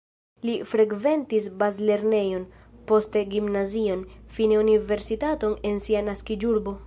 Li frekventis bazlernejon, poste gimnazion, fine universitaton en sia naskiĝurbo.